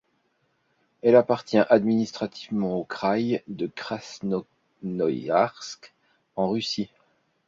Elle appartient administrativement au kraï de Krasnoïarsk, en Russie.